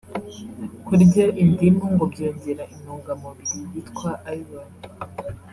kurya indimu ngo byongera intungamubiri yitwa iron